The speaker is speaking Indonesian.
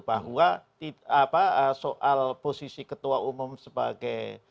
bahwa soal posisi ketua umum sebagai